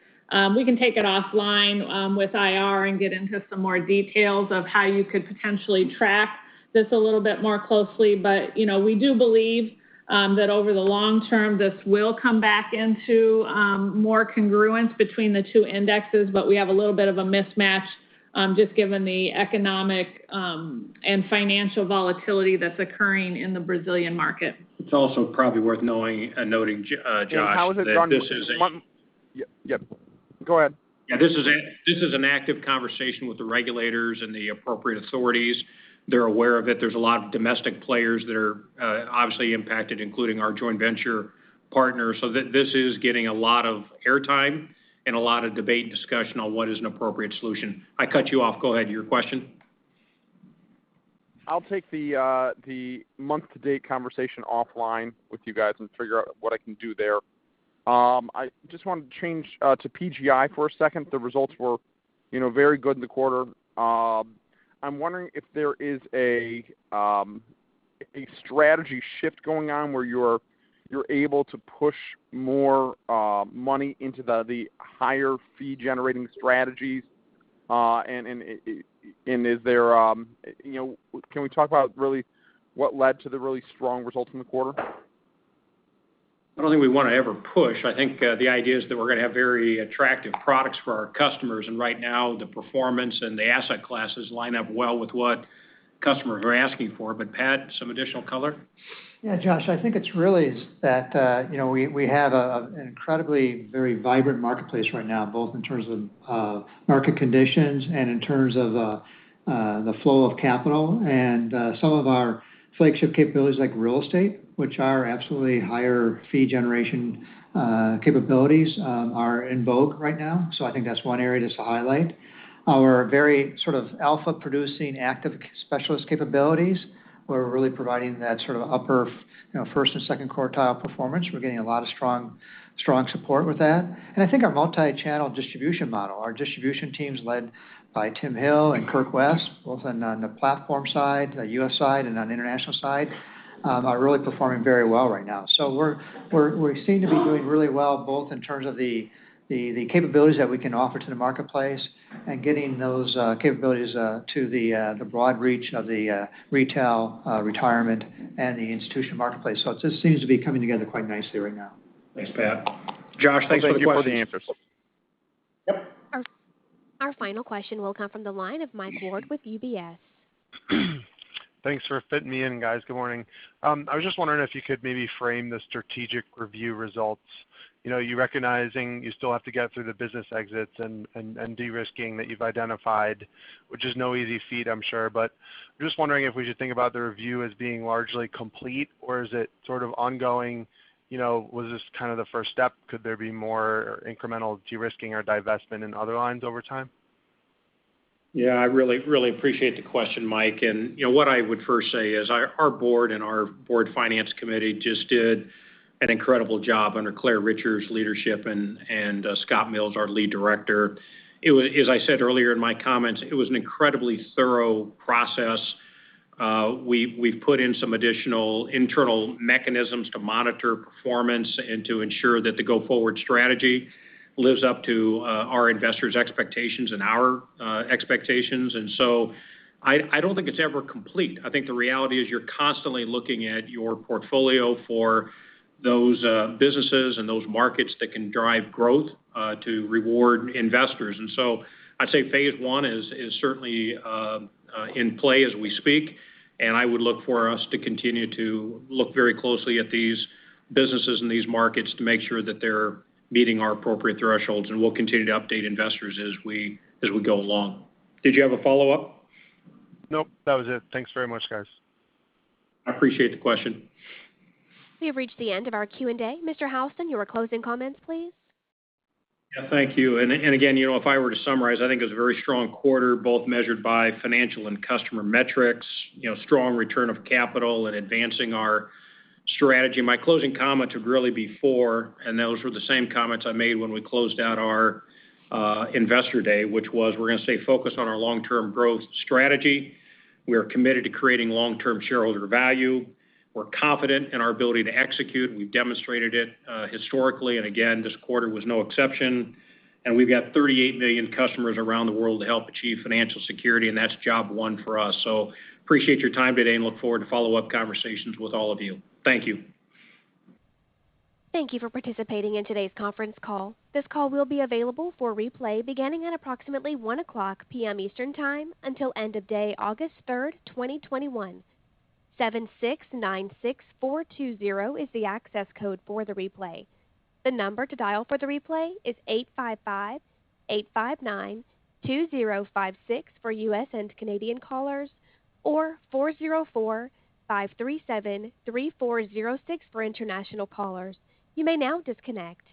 We can take it offline with IR and get into some more details of how you could potentially track this a little bit more closely. We do believe that over the long term, this will come back into more congruence between the two indexes, but we have a little bit of a mismatch, just given the economic and financial volatility that's occurring in the Brazilian market. It's also probably worth knowing and noting, Josh, that this is. How is it done? Yep. Go ahead. Yeah. This is an active conversation with the regulators and the appropriate authorities. They're aware of it. There's a lot of domestic players that are obviously impacted, including our joint venture partners. This is getting a lot of air time and a lot of debate and discussion on what is an appropriate solution. I cut you off. Go ahead, your question. I'll take the month-to-date conversation offline with you guys and figure out what I can do there. I just wanted to change to PGI for a second. The results were very good in the quarter. I'm wondering if there is a strategy shift going on where you're able to push more money into the higher fee-generating strategies. Can we talk about really what led to the really strong results in the quarter? I don't think we want to ever push. I think the idea is that we're going to have very attractive products for our customers, and right now, the performance and the asset classes line up well with what customers are asking for. Pat, some additional color? Yeah, Josh, I think it's really that we have an incredibly very vibrant marketplace right now, both in terms of market conditions and in terms of the flow of capital. Some of our flagship capabilities, like real estate, which are absolutely higher fee generation capabilities, are in vogue right now. I think that's one area just to highlight. Our very sort of alpha-producing active specialist capabilities, we're really providing that sort of upper first and second quartile performance. We're getting a lot of strong support with that. I think our multi-channel distribution model. Our distribution teams led by Tim Hill and Kirk West, both on the platform side, the U.S. side, and on international side, are really performing very well right now. We seem to be doing really well, both in terms of the capabilities that we can offer to the marketplace and getting those capabilities to the broad reach of the retail, retirement, and the institution marketplace. It just seems to be coming together quite nicely right now. Thanks, Pat. Josh, thanks for your questions. Thank you for the answers. Yep. Our final question will come from the line of Michael Ward with UBS. Thanks for fitting me in, guys. Good morning. I was just wondering if you could maybe frame the strategic review results. You're recognizing you still have to get through the business exits and de-risking that you've identified, which is no easy feat, I'm sure. I'm just wondering if we should think about the review as being largely complete, or is it sort of ongoing? Was this kind of the first step? Could there be more incremental de-risking or divestment in other lines over time? Yeah, I really appreciate the question, Mike. What I would first say is our board and our board Finance Committee just did an incredible job under Clare Richer's leadership and Scott Mills, our Lead Director. As I said earlier in my comments, it was an incredibly thorough process. We've put in some additional internal mechanisms to monitor performance and to ensure that the go-forward strategy lives up to our investors' expectations and our expectations. I don't think it's ever complete. I think the reality is you're constantly looking at your portfolio for those businesses and those markets that can drive growth to reward investors. I'd say phase I is certainly in play as we speak, and I would look for us to continue to look very closely at these businesses and these markets to make sure that they're meeting our appropriate thresholds, and we'll continue to update investors as we go along. Did you have a follow-up? Nope. That was it. Thanks very much, guys. I appreciate the question. We have reached the end of our Q&A. Mr. Houston, your closing comments, please. Yeah. Thank you. Again, if I were to summarize, I think it was a very strong quarter, both measured by financial and customer metrics, strong return of capital and advancing our strategy. My closing comments would really be four, and those were the same comments I made when we closed out our Investor Day, which was we're going to stay focused on our long-term growth strategy. We are committed to creating long-term shareholder value. We're confident in our ability to execute. We've demonstrated it historically, and again, this quarter was no exception. We've got 38 million customers around the world to help achieve financial security, and that's job one for us. Appreciate your time today and look forward to follow-up conversations with all of you. Thank you. Thank you for participating in today's conference call. This call will be available for replay beginning at approximately 1:00 PM Eastern Time until end of day August 3rd, 2021. 7696420 is the access code for the replay. The number to dial for the replay is 855-859-2056 for US and Canadian callers, or 404-537-3406 for international callers. You may now disconnect.